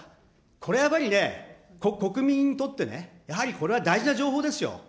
これはやはりね、国民にとってね、やはりこれは大事な情報ですよ。